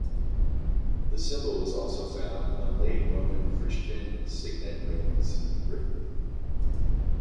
The symbol was also found on Late Roman Christian signet rings in Britain.